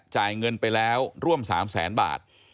จ่ายเงินไปแล้วร่วม๓แสนบาท